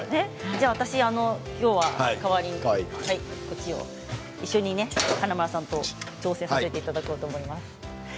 じゃあ私はこっちを一緒に華丸さんと挑戦させていただこうと思います。